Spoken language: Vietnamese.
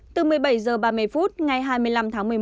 từ một mươi bảy h ba mươi phút ngày hai mươi năm tháng một mươi một